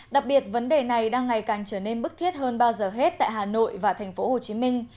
đặc biệt vấn đề này đang ngày càng trở nên bức thiết hơn bao giờ hết tại hà nội và thành phố hồ chí minh